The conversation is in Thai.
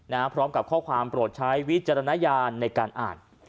พร้อมกับข้อความโปรดใช้วิจารณญาณในการอ่าน